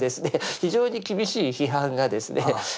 非常に厳しい批判がですね。